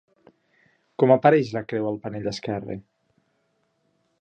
Com apareix la creu al panell esquerre?